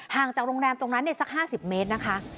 ห่างจากโรงแรมตรงนั้นเนี่ยสัก๕๐เมตรนะคะ